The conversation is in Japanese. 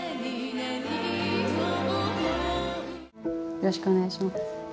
よろしくお願いします。